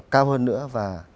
cao hơn nữa và